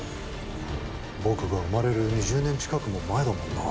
僕が生まれる２０年近くも前だもんなあ。